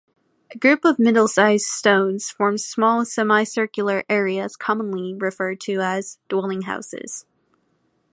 A group of middle-sized stones form small, semi-circular areas commonly referred to as "dwelling-houses".